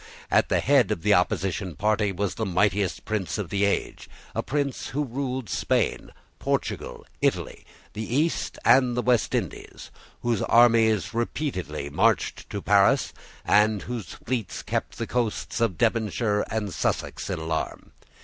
At the head of the opposite party was the mightiest prince of the age, a prince who ruled Spain, Portugal, Italy, the East and the West Indies, whose armies repeatedly marched to Paris, and whose fleets kept the coasts of Devonshire and Sussex in alarm.